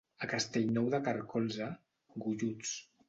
A Castellnou de Carcolze, golluts.